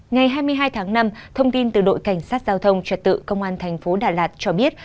ngày hai mươi hai tháng năm thông tin từ đội cảnh sát giao thông trật tự công an thành phố đà lạt cho biết